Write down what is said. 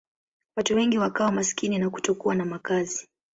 Watu wengi wakawa maskini na kutokuwa na makazi.